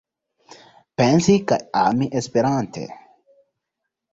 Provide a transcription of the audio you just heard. Pensi kaj ami esperante.